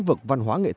và bây giờ họ đang tìm